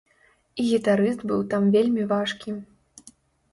І гітарыст быў там вельмі важкі.